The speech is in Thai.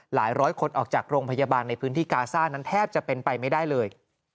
ร้อยคนออกจากโรงพยาบาลในพื้นที่กาซ่านั้นแทบจะเป็นไปไม่ได้เลย